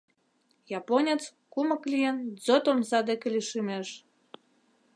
Японец, кумык лийын, ДЗОТ омса дек лишемеш.